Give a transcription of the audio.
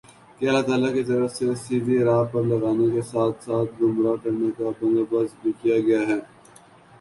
کہ اللہ تعالیٰ کی طرف سے سیدھی راہ پر لگانے کے ساتھ ساتھ گمراہ کرنے کا بندوبست بھی کیا گیا ہے